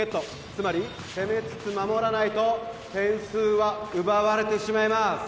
つまり攻めつつ守らないと点数は奪われてしまいます